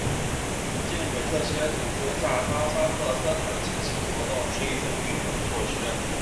禁止这些组织在哈萨克斯坦进行活动是一种预防措施。